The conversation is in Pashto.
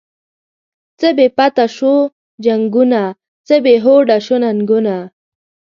څه بی پته شوو جنگونه، څه بی هوډه شوو ننگونه